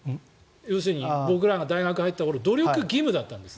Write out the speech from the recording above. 要するに僕らが大学に入った時努力義務だったんです。